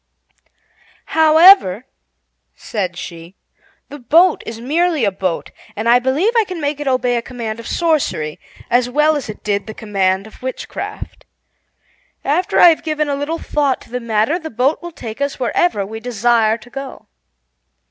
"However," said she, "the boat is merely a boat, and I believe I can make it obey a command of sorcery, as well as it did the command of witchcraft. After I have given a little thought to the matter, the boat will take us wherever we desire to go."